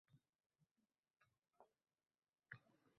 Asal, deb chaqirdim